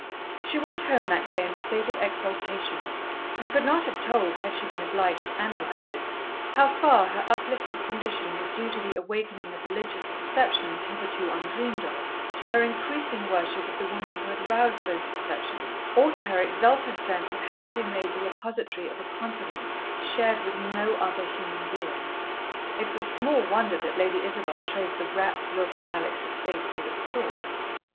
She went home that day in a state of exaltation, and could not have told, had she been obliged to analyse it, how far her uplifted condition was due to the awakening of religious perceptions hitherto undreamed of, to her increasing worship of the woman who had roused those perceptions, or to her exultant sense of having been made the repository of a confidence shared with no other human being. It was small wonder that Lady Isabel traced the rapt look on Alex' face to its source.